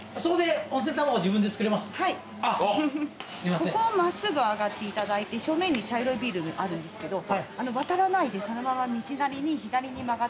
ここを真っすぐ上がっていただいて正面に茶色いビルあるんですけど渡らないでそのまま道なりに左に曲がって。